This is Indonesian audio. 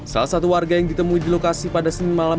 salah satu warga yang ditemui di lokasi pada senin malam